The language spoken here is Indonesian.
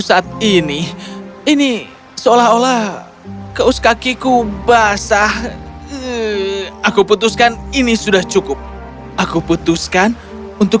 saat ini ini seolah olah kaos kakiku basah aku putuskan ini sudah cukup aku putuskan untuk